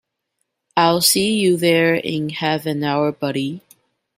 I'll see you there in half an hour buddy.